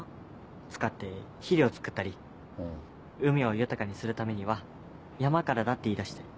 使って肥料作ったり海を豊かにするためには山からだって言いだして。